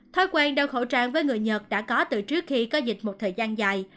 thói quen đeo khẩu trang với người nhật đã có từ trước khi có dịch một thời gian dài